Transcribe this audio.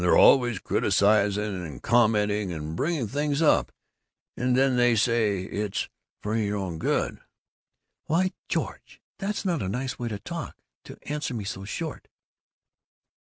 They're always criticizing and commenting and bringing things up, and then they say it's 'for your own good'!" "Why, George, that's not a nice way to talk, to answer me so short."